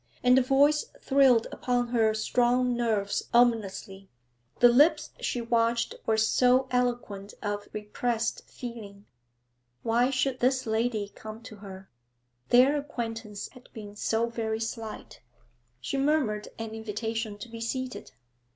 And the voice thrilled upon her strung nerves ominously; the lips she watched were so eloquent of repressed feeling. Why should this lady come to her? Their acquaintance had been so very slight. She murmured an invitation to be seated.